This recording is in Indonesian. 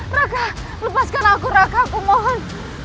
raka lepaskan aku raka ku mohon